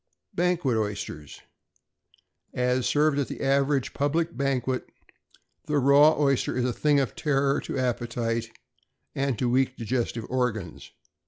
=Banquet Oysters.= As served at the average public banquet, the raw oyster is a thing of terror to appetite and to weak digestive organs.